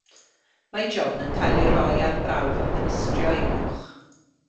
Mae John yn cael ei roi ar brawf am ddinistrio ei gwch.